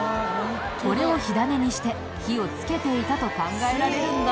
これを火種にして火をつけていたと考えられるんだ。